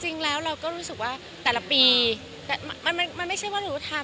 จริงแล้วเราก็รู้สึกว่าแต่ละปีมันไม่ใช่ว่าหนูทำ